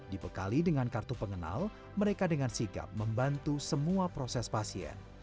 dibekali dengan kartu pengenal mereka dengan sigap membantu semua proses pasien